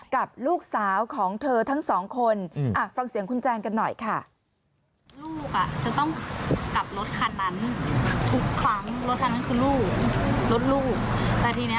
กับลูกสาวของเธอทั้งสองคนฟังเสียงคุณแจนกันหน่อยค่ะ